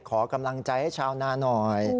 ขอกำลังใจให้ชาวนาหน่อย